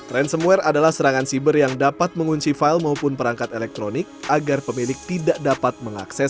ransomware adalah serangan siber yang dapat mengunci file maupun perangkat elektronik agar pemilik tidak dapat mengakses